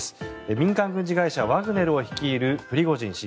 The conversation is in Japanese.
民間軍事会社ワグネルを率いるプリゴジン氏。